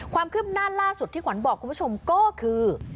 ความคืบหน้าล่าสุดที่ขวัญบอกคุณผู้ชมก็คือ